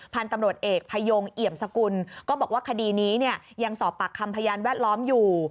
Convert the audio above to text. พันธุ์ตำรวจเอกพยงเอี่ยมสกุลก็บอกว่าคดีนี้เนี่ยยังสอบปากคำพยานแวดล้อมอยู่